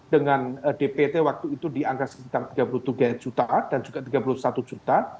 dengan dpt waktu itu di angka sekitar tiga puluh tiga juta dan juga tiga puluh satu juta